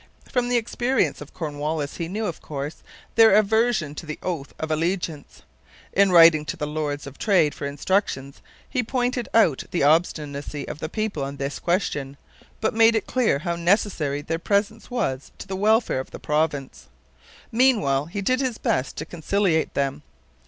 From the experience of Cornwallis he knew, of course, their aversion to the oath of allegiance. In writing to the Lords of Trade for instructions he pointed out the obstinacy of the people on this question, but made it clear how necessary their presence was to the welfare of the province. Meanwhile he did his best to conciliate them.